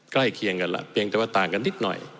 เคียงกันแล้วเพียงแต่ว่าต่างกันนิดหน่อย